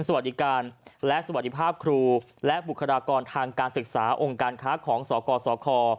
สวัสดีการและสวัสดีภาพครูและบุคลากรทางการศึกษาองค์การค้าของสกสค